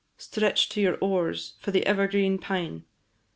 Stretch to your oars for the ever green pine!